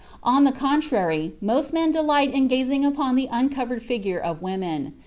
On the contrary, most men delight in gazing upon the uncovered figure of women.